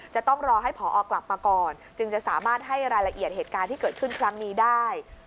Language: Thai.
จะต้องรอให้ผอกลับมาก่อนจึงจะสามารถให้รายละเอียดเหตุการณ์ที่เกิดขึ้นครั้งนี้ได้